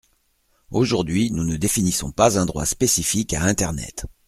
Aujourd’hui, nous ne définissons pas un droit spécifique à internet.